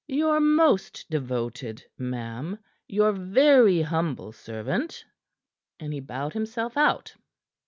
Your most devoted. Ma'am, your very humble servant." And he bowed himself out.